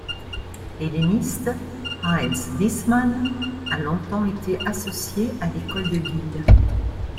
Helléniste, Heinz Wismann a longtemps été associé à l'École de Lille.